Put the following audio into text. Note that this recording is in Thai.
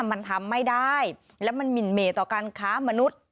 มันทำไม่ได้และมันหมินเมต่อการค้ามนุษย์